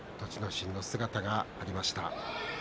心の姿がありました。